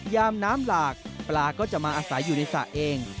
ยามน้ำหลากปลาก็จะมาอาศัยอยู่ในสระเอง